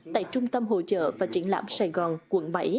tại trung tâm hỗ trợ và triển lãm sài gòn quận bảy